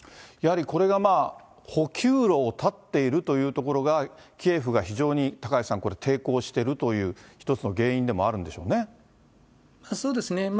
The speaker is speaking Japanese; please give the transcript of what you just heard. やはりこれが補給路を断っているというところが、キエフが非常に、高橋さん、これ、抵抗しているという、一つの原因でもあるそうですね。